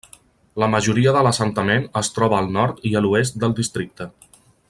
La majoria de l'assentament es troba al nord i a l'oest del districte.